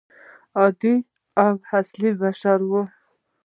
عادي او اصلي بشر وي.